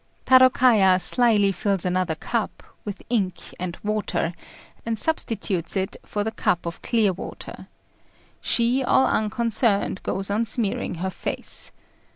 Tarôkaja slyly fills another cup, with ink and water, and substitutes it for the cup of clear water. She, all unconcerned, goes on smearing her face.